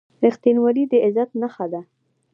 • رښتینولي د عزت نښه ده.